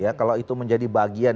ya kalau itu menjadi bagian